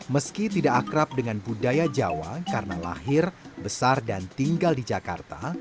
meski tidak akrab dengan budaya jawa karena lahir besar dan tinggal di jakarta